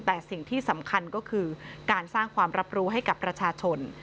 แต่สิ่งที่สำคัญก็คือการสร้างความรับรู้ให้กับประชาชน